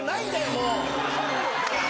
もう。